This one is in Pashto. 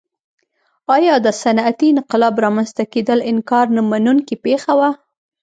ایا د صنعتي انقلاب رامنځته کېدل انکار نه منونکې پېښه وه.